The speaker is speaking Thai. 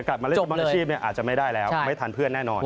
อาจจะไม่ได้แล้วไม่ทันเพื่อนแน่นอน